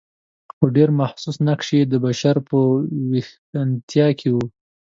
خو ډېر محسوس نقش یې د بشر په ویښتیا کې و.